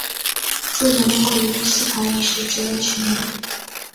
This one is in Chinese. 著名的莫比乌斯环也是直纹曲面。